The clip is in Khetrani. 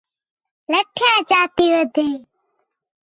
لٹھیاں چاتی ودے ہے